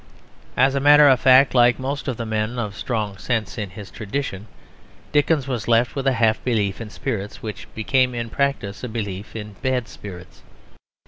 As a matter of fact, like most of the men of strong sense in his tradition, Dickens was left with a half belief in spirits which became in practice a belief in bad spirits.